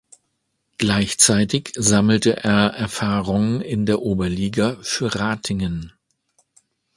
Gleichzeitig sammelte er Erfahrung in der Oberliga für Ratingen.